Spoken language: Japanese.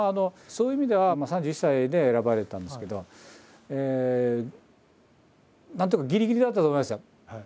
そういう意味ではまあ３１歳で選ばれたんですけどなんとかぎりぎりだったと思いますよ。